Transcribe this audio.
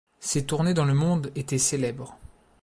Ses tournées dans le monde étaient célèbres.